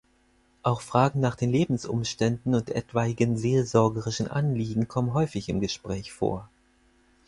Auch Fragen nach den Lebensumständen und etwaigen seelsorgerlichen Anliegen kommen häufig im Gespräch vor.